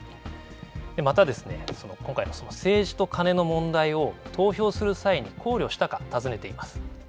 また、今回の政治とカネの問題を投票する際に考慮したか、たずねています。